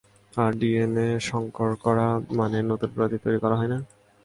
আর DNA সংকর করা, মানে, নতুন প্রজাতি তৈরি করা হয় না?